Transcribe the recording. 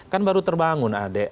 kan baru terbangun adek